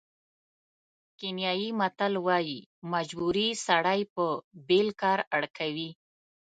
کینیايي متل وایي مجبوري سړی په بېل کار اړ کوي.